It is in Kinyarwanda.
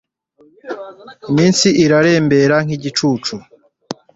iminsi yanjye irarembera nk'igicucu